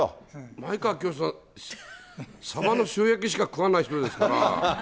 前川清さん、サバの塩焼きしか食わない人ですから。